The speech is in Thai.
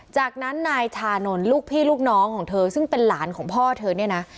จากนั้นนายชานนท์ลูกพี่ลูกน้องของเธอซึ่งเป็นหลานของพ่อเธอเนี่ยนะ